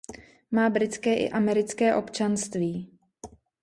Má britské i americké občanství.